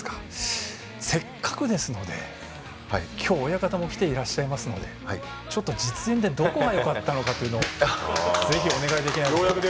せっかくですので今日、親方も来ていただいてますのでちょっと実演でどこがよかったのかというのをぜひお願いできないでしょうか。